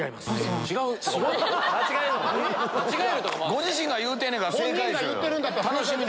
ご自身が言うてんねやから正解でしょうよ。